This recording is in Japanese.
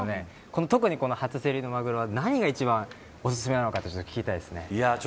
特に、この初競りのマグロは何が一番お薦めなのか聞きたいですね。